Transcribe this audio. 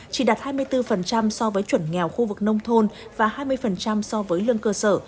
chỉ đạt hai mươi bốn so với chuẩn nghèo khu vực nông thôn và hai mươi so với lương cơ sở